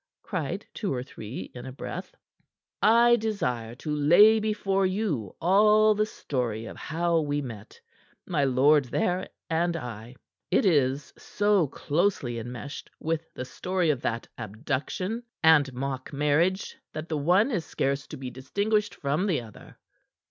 cried two or three in a breath. "I desire to lay before you all the story of how we met my lord there and I. It is so closely enmeshed with the story of that abduction and mock marriage that the one is scarce to be distinguished from the other."